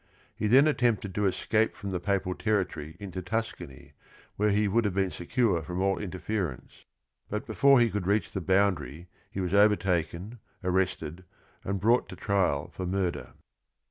He then attempted to escape from the papal territory into Tuscany where he would have been secure from all interference, but before he could reach the boundary he was overtaken, arrested, and brought to trial for murder.